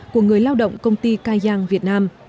của người lao động công ty cai giang việt nam